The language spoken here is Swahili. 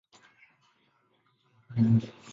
Magonjwa hayo hutokea mara nyingi.